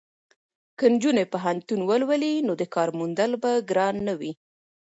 که نجونې پوهنتون ولولي نو د کار موندل به ګران نه وي.